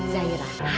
zahira ada ini